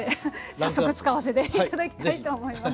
早速使わせていただきたいと思います。